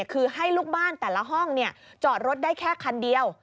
คือให้ลูกบ้านแต่ละห้องจอดรถได้แค่คันเดียว